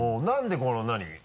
何でこの何？